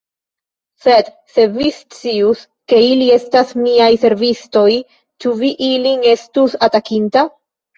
Sed se vi scius, ke ili estas miaj servistoj, ĉu vi ilin estus atakinta?